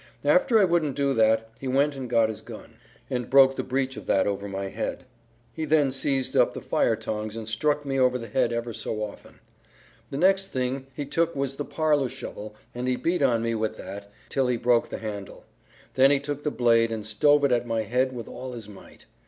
After I wouldn't do that he went and got his gun. and broke the breech of that over my head. He then seized up the fire tongs and struck me over the head ever so often. The next thing he took was the parlor shovel and he beat on me with that till he broke the handle; then he took the blade and stove it at my head with all his might.